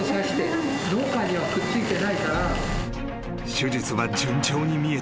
［手術は順調に見えた。